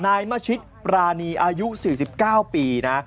นายมชิตปรานีอายุ๔๙ปีนะ